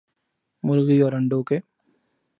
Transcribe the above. مرغی اور انڈوں ک